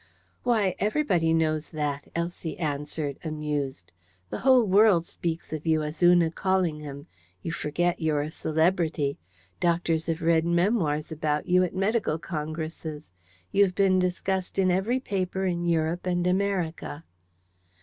"Why, everybody knows that." Elsie answered, amused. "The whole world speaks of you always as Una Callingham. You forget you're a celebrity. Doctors have read memoirs about you at Medical Congresses. You've been discussed in every paper in Europe and America."